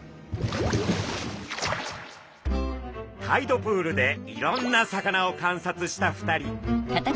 タイドプールでいろんな魚を観察した２人。